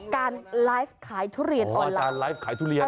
การไลฟ์ขายทุเรียนออนไลน์การไลฟ์ขายทุเรียน